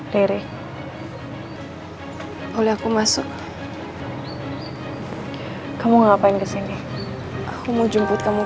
sampai jumpa di episode selanjutnya